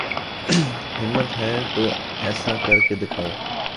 ہمت ہے تو ایسا کر کے دکھاؤ